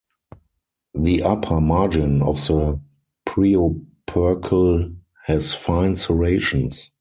The upper margin of the preopercle has fine serrations.